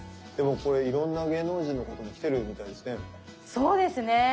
でもこれ色んな芸能人の方も来てるみたいですね。